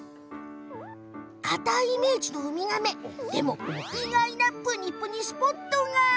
かたいイメージのウミガメ、でも意外なプニプニスポットが。